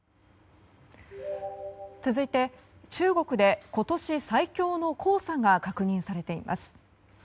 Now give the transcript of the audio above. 続いて、中国で今年最強の黄砂が確認されています。